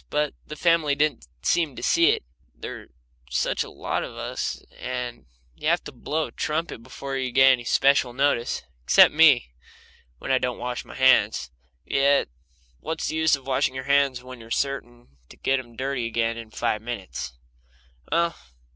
But the family didn't seem to see it; there are such a lot of us that you have to blow a trumpet before you get any special notice except me, when I don't wash my hands. Yet, what's the use of washing your hands when you're certain to get them dirty again in five minutes?